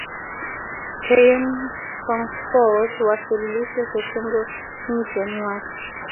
Cheyenne's song "Four Walls" was released as a single in January.